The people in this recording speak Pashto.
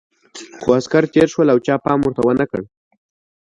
خو عسکر تېر شول او چا پام ورته ونه کړ.